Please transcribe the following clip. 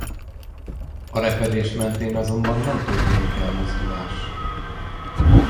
A repedés mentén azonban nem történik elmozdulás.